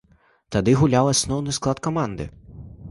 Тады гуляў асноўны склад каманды.